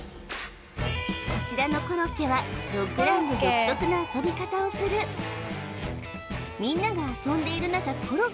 こちらのころっけはドッグランで独特な遊び方をするみんなが遊んでいる中ころ